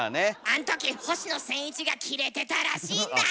あん時星野仙一がキレてたらしいんだ！